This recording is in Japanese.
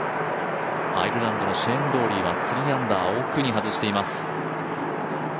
アイルランドのシェーン・ローリーは３アンダー奥に外しています。